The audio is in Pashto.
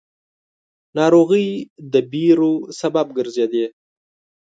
ناروغۍ د وېرو سبب وګرځېدې.